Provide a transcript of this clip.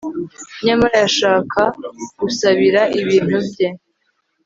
nyamara yashaka gusabira ibintu bye